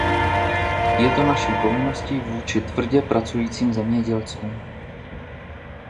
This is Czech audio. Je to naší povinností vůči tvrdě pracujícím zemědělcům.